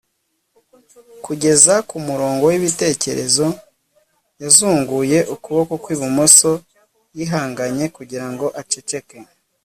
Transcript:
kugeza ku murongo w'ibitekerezo. yazunguye ukuboko kw'ibumoso yihanganye kugira ngo aceceke